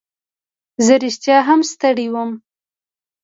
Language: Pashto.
زه رښتیا هم ستړی وم.